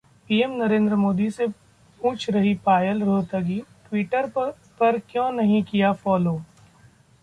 PM Narendra Modi से पूछ रहीं पायल रोहतगी, ट्विटर पर क्यों नहीं किया फॉलो?